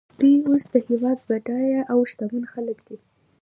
دوی اوس د هېواد بډایه او شتمن خلک دي